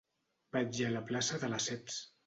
Vaig a la plaça de Lesseps.